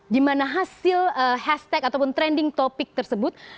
dimana hasil hashtag ataupun trending topic tersebut